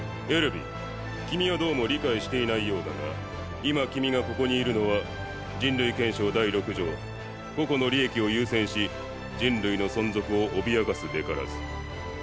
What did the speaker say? エルヴィン君はどうも理解していないようだが今君がここにいるのは人類憲章第６条「個々の利益を優先し人類の存続を脅かすべからず」